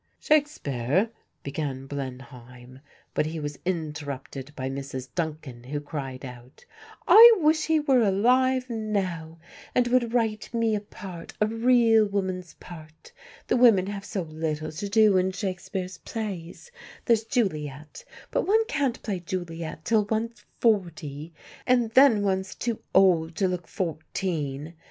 "Shakespeare," began Blenheim; but he was interrupted by Mrs. Duncan who cried out: "I wish he were alive now and would write me a part, a real woman's part. The women have so little to do in Shakespeare's plays. There's Juliet; but one can't play Juliet till one's forty, and then one's too old to look fourteen.